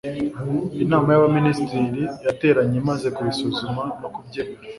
inama y'abaminisitiri yateranye imaze kubisuzuma no kubyemeza